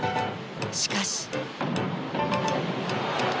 しかし。